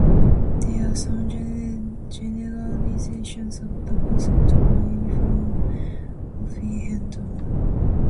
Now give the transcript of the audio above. There are some generalizations of the concept of a uniform polyhedron.